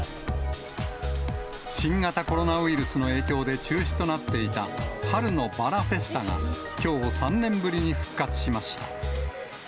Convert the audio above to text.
新型コロナウイルスの影響で中止となっていた春のバラフェスタがきょう、３年ぶりに復活しました。